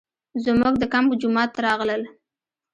زموږ د کمپ جومات ته راغلل.